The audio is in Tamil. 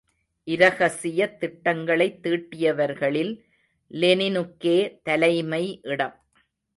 இரகசியத் திட்டங்களைத் தீட்டியவர்களில் லெனினுக்கே தலைமை இடம்.